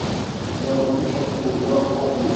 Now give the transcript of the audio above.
je l'ai entendu chanter d'une voix enrouée.